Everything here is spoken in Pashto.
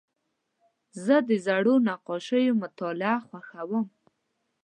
زه د زړو نقاشیو مطالعه خوښوم.